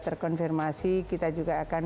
terkonfirmasi kita juga akan